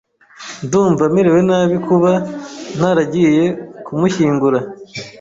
Ndumva merewe nabi kuba ntaragiye kumushyingura.